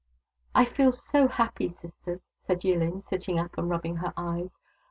" I feel so happy, sisters," said YilHn, sitting up and rubbing her eyes.